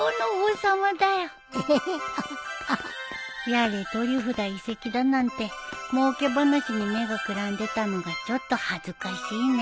やれトリュフだ遺跡だなんてもうけ話に目がくらんでたのがちょっと恥ずかしいね